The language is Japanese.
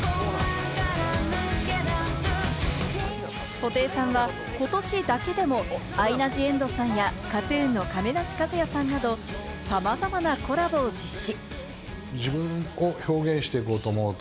布袋さんは、ことしだけでも、アイナ・ジ・エンドさんやＫＡＴ−ＴＵＮの亀梨和也さんなど、さまざまなコラボを実施。